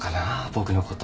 僕のこと。